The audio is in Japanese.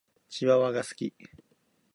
チワワが好き。